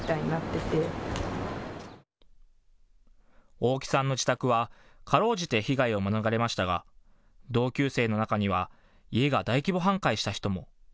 大木さんの自宅は、かろうじて被害を免れましたが同級生の中には家が大規模半壊した人も。